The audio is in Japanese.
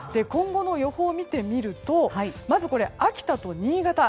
今後の予報を見てみるとまずは秋田と新潟。